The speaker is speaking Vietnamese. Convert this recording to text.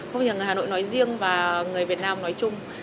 không chỉ là người hà nội nói riêng và người việt nam nói chung